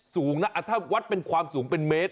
สูงนะถ้าวัดเป็นความสูงเป็นเมตร